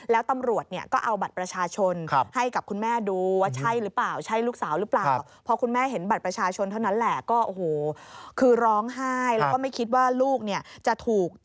แล้วตำรวจก็เอาบัตรประชาชนให้กับคุณแม่ดู